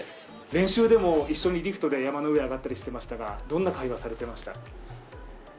練習でも一緒にリフトで山の上に上ったりされていましたが、どんな会話をされていました？